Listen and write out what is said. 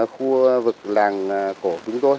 khu vực làng cổ của chúng tôi